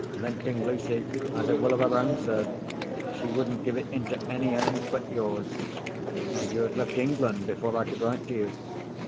"Limping Lucy has a will of her own, sir. She wouldn't give it into any hands but yours. And you had left England before I could write to you."